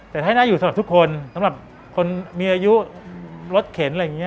แต่ให้น่าอยู่สำหรับทุกคนสำหรับคนมีอายุรถเข็นอะไรอย่างนี้